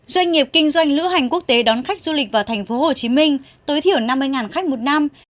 doanh nghiệp kinh doanh lữ hành quốc tế đón khách du lịch vào tp hcm tối thiểu năm mươi khách một năm